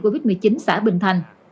covid một mươi chín xã bình thành